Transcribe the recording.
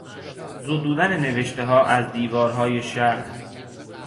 زدودن نوشتهها از دیوارهای شهر